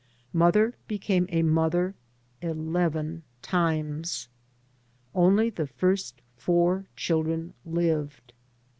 Mother be came a mother eleven times. Only the first four children lived.